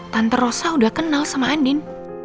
tante rosa udah kenal sama andin